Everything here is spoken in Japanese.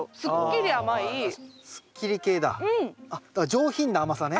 上品な甘さね。